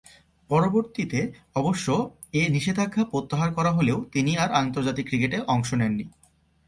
পরবর্তীতে অবশ্য এ নিষেধাজ্ঞা প্রত্যাহার করা হলেও তিনি আর আন্তর্জাতিক ক্রিকেটে অংশ নেননি।